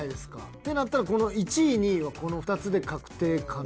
ってなったらこの１位２位はこの２つで確定かな。